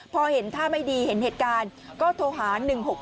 พอเห็นท่าไม่ดีเห็นเหตุการณ์ก็โทรหา๑๖๖